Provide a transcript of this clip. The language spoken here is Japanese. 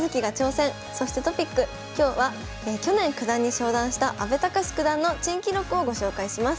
今日は去年九段に昇段した阿部隆九段の珍記録をご紹介します。